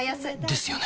ですよね